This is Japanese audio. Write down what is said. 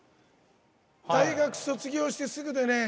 大学卒業してすぐでね。